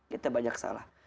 kita banyak salah